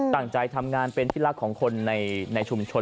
ตั้งใจทำงานเป็นที่รักของคนในชุมชน